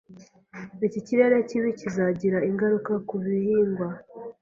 Iki kirere kibi kizagira ingaruka ku bihingwa.